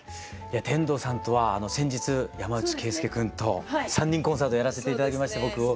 天童さんとは先日山内惠介くんと３人コンサートやらせて頂きまして僕。